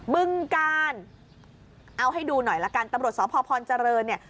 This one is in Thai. บึงกาลเอาให้ดูหน่อยละกันตำรวจสพพรเจริญเนี่ย